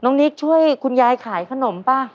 นิกช่วยคุณยายขายขนมป่ะ